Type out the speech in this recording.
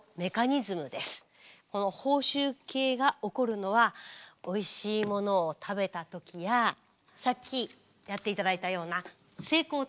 報酬系が起こるのはおいしいものを食べた時やさっきやって頂いたような成功体験。